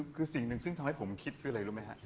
คือสิ่งหนึ่งซึ่งทำให้ผมคิดคืออะไรรู้ไหมฮะ